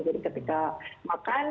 jadi ketika makan